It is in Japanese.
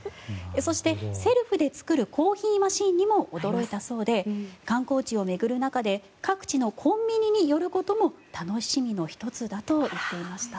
そして、セルフで作るコーヒーマシンにも驚いたそうで観光地を巡る中で各地のコンビニに寄ることも楽しみの１つだと言っていました。